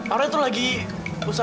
aurel tuh lagi usaha berusaha berusaha